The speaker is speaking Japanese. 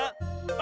あ！